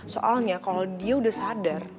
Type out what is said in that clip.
soalnya kalau dia udah sadar